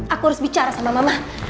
aku harus bicara sama mama